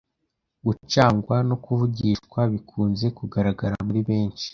gucangwa no kuvugishwa bikunze kugaragara muri benshi.